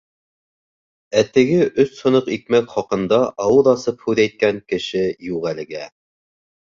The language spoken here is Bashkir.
Ә теге өс һыныҡ икмәк хаҡында ауыҙ асып һүҙ әйткән кеше юҡ әлегә.